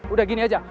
udah gini aja